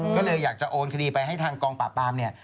ก็เลยอยากจะโอนคดีไปให้ทางกองปราบปรามเนี่ย